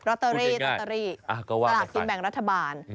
ตเตอรี่ลอตเตอรี่สลากกินแบ่งรัฐบาล